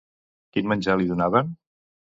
Quin menjar li donaven?